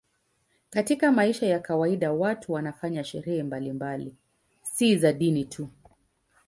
Katika maisha ya kawaida watu wanafanya sherehe mbalimbali, si za dini tu.